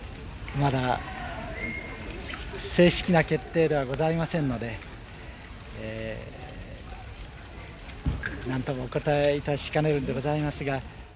まだ正式な決定ではございませんので、なんともお答えいたしかねるんでございますが。